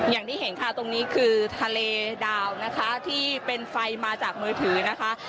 อย่างที่เห็นค่ะตรงนี้คือทะเลดาวนะคะที่เป็นไฟมาจากมือถือนะคะ